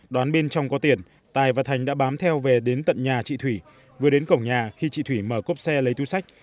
đoán bên trong có tiền tài và thành đã bám theo về đến tận nhà chị thủy vừa đến cổng nhà khi chị thủy mở cốp xe lấy túi sách